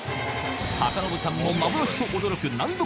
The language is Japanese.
信さんも幻と驚く難読